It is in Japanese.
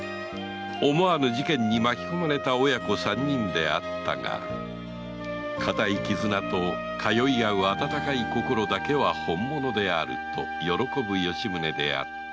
思わぬ事件に巻き込まれた親子三人であったが固い絆と通いあう温かい心だけは本物であると喜ぶ吉宗だった